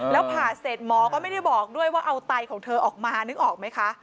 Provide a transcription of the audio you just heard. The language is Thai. แล้วผ่าเสร็จหมอก็ไม่ได้บอกด้วยว่าเอาไตของเธอออกมานึกออกไหมคะ